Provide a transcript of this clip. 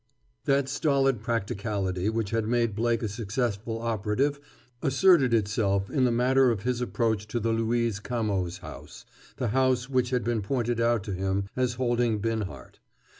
X That stolid practicality which had made Blake a successful operative asserted itself in the matter of his approach to the Luiz Camoes house, the house which had been pointed out to him as holding Binhart.